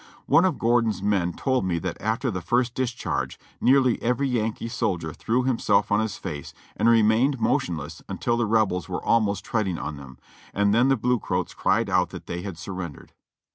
One of Gordon's men told me that after the first discharge nearly every Yankee soldier threw himself on his face and remained motionless until the Rebels were almost treading on them, and then the blue coats cried out that they had surrendered.